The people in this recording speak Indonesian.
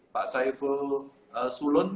pak saiful sulun malam malam